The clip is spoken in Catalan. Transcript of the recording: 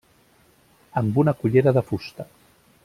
Amb una cullera de fusta.